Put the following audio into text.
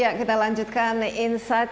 iya kita lanjutkan insight